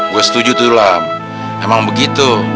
gue setuju tulam emang begitu